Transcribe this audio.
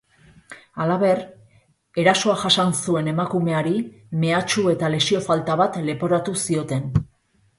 Halaber, erasoa jasan zuen emakumeari mehatxu eta lesio falta bat leporatu zioten.